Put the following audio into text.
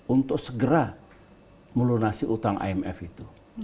untuk segera melunasi utang imf itu